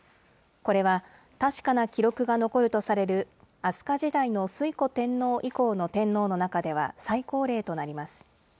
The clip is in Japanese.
これは、確かな記録が残るとされる飛鳥時代の推古天皇以降の天皇の中では最高齢となります。